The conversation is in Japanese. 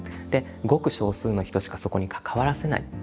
でごく少数の人しかそこに関わらせない。